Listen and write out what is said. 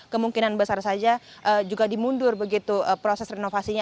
kemungkinan besar saja juga dimundur begitu proses renovasinya